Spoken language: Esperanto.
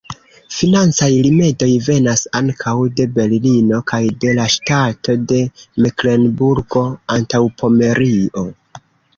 Financaj rimedoj venas ankaŭ de Berlino kaj de la ŝtato de Meklenburgo-Antaŭpomerio.